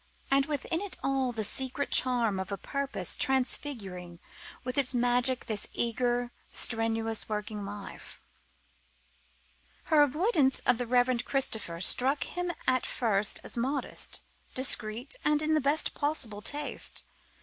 And within it all the secret charm of a purpose transfiguring with its magic this eager, strenuous, working life. Her avoidance of the Reverend Christopher struck him at first as modest, discreet, and in the best possible taste.